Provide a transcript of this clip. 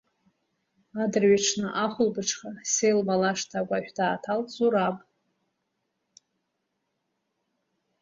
Адырҩаҽны, ахәылбыҽха Селма лашҭа агәашә дааҭалт Зураб.